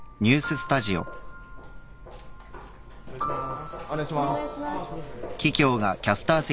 お願いします。